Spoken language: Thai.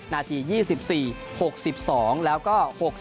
นาที๒๔๖๒แล้วก็๖๔